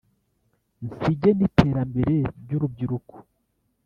Nsige n’iterambere ry’urubyiruko